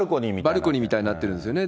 バルコニーみたいになってるんですよね。